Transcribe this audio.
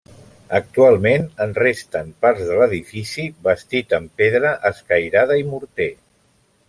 Actualment en resten parts de l'edifici, bastit amb pedra escairada i morter.